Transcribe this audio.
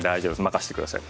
任せてください。